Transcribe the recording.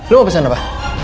lo mau pesen apa